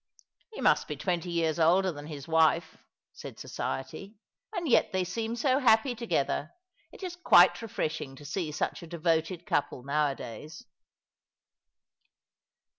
"He must be twenty years older than his wife," said Society, " and yet they seem so happy together. It is quite refreshing to see such a devoted couple nowadays."